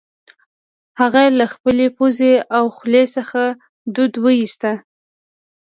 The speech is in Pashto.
هغه له خپلې پوزې او خولې څخه دود وایوست